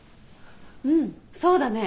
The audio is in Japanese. うんそうだね。